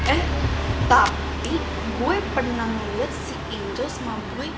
eh tapi gue pernah liat si injoss sama boya